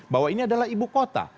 bahwa ini adalah ibu kota